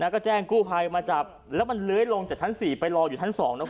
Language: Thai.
ก็แจ้งกู้ภัยมาจับแล้วมันเลื้อยลงจากชั้น๔ไปรออยู่ชั้น๒